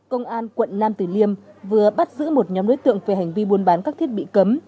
công an quận nam tử liêm vừa bắt giữ một nhóm đối tượng về hành vi buôn bán các thiết bị cấm